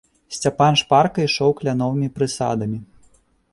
Сцяпан шпарка ішоў кляновымі прысадамі.